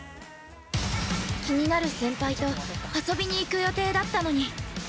◆気になる先輩と遊びに行く予定だったのに。